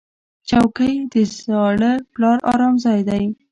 چوکۍ د زاړه پلار ارام ځای دی.